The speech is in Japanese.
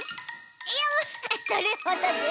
いやそれほどでも。